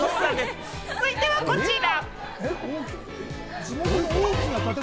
続いてはこちら。